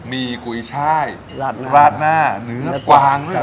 มีกุยช่ายราดหน้าเนื้อกวาง